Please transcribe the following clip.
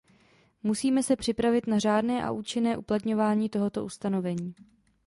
Musíme se připravit na řádné a účinné uplatňování tohoto ustanovení.